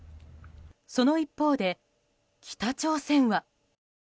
その一方で、北朝鮮は。